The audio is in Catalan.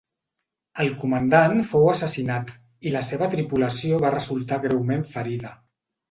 El comandant fou assassinat i la seva tripulació va resultar greument ferida.